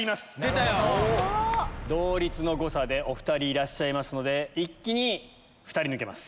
同率の誤差でお２人いらっしゃいますので一気に２人抜けます。